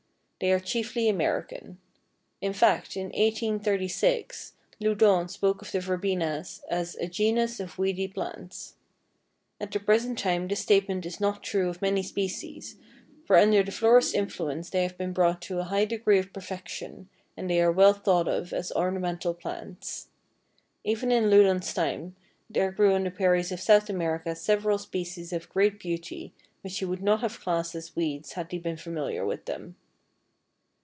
They are chiefly American. In fact, in 1836, Loudon spoke of the Verbenas as "a genus of weedy plants." At the present time this statement is not true of many species, for under the florist's influence they have been brought to a high degree of perfection and they are well thought of as ornamental plants. Even in Loudon's time there grew on the prairies of South America several species of great beauty which he would not have classed as weeds had he been familiar with them.